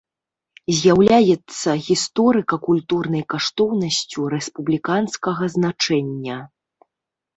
З'яўляецца гісторыка-культурнай каштоўнасцю рэспубліканскага значэння.